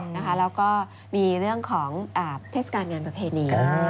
แล้วก็มีเรื่องของเทศกาลงานประเพณี